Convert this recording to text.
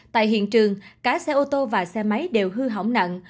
tại hiện trường cả xe ô tô và xe máy đều hư hỏng nặng